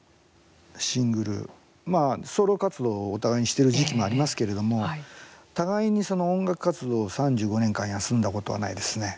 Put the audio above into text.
シングルまあ、ソロ活動をお互いにしてる時期もありますけれども互いに音楽活動を３５年間休んだことはないですね。